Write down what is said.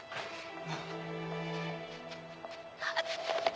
あっ。